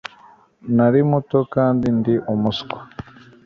nari muto kandi ndi umuswa